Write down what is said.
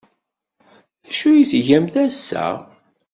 D acu ay tgamt ass-a?